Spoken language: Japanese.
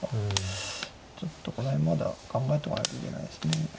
ちょっとこの辺まだ考えとかないといけないですね。